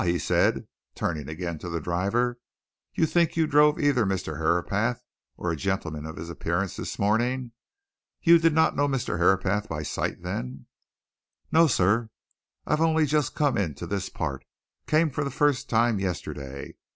he said, turning again to the driver, "you think you drove either Mr. Herapath or a gentleman of his appearance this morning. You did not know Mr. Herapath by sight, then?" "No, sir. I've only just come into this part came for the first time yesterday.